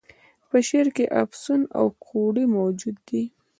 په شعر کي افسون او کوډې موجودي دي.